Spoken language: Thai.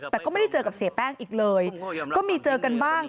แต่ก็ไม่ได้เจอกับเสียแป้งอีกเลยก็มีเจอกันบ้าง